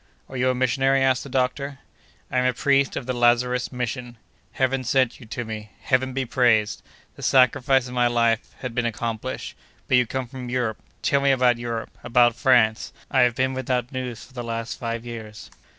"Are you a missionary?" asked the doctor. "I am a priest of the Lazarist mission. Heaven sent you to me—Heaven be praised! The sacrifice of my life had been accomplished! But you come from Europe; tell me about Europe, about France! I have been without news for the last five years!"